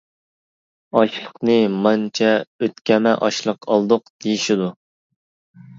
ئاشلىقنى «مانچە ئۆتكەمە ئاشلىق ئالدۇق» دېيىشىدۇ.